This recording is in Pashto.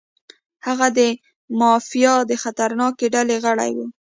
هغه د مافیا د خطرناکې ډلې غړی و.